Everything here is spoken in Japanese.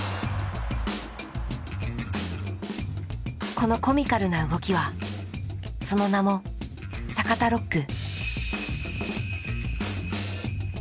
このコミカルな動きはその名も「坂田ロック」。